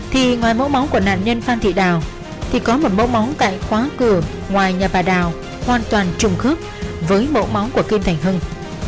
thì ngoài mẫu máu của nạn nhân phan thị đào thì có một mẫu máu tại khóa cửa ngoài nhà bà đào hoàn toàn trùng khớp với mẫu máu của kim thành hưng